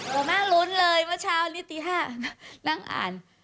แม่ลุ้นเลยเมื่อเช้านี้ตี๕นั่งอ่าน